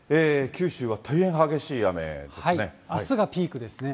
九州は大変激しい雨ですね。